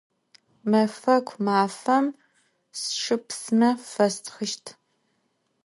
Mefeku mafem sşşı pisme festxışt.